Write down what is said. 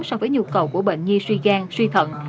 so với nhu cầu của bệnh nhi suy gan suy thận